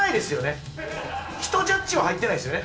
人ジャッジは入ってないですよね？